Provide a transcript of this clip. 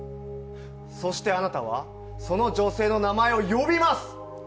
そしてあなたは、その女性の名前を呼びます！